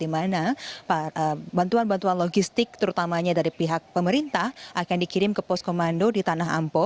di mana bantuan bantuan logistik terutamanya dari pihak pemerintah akan dikirim ke poskomando di tanah ampo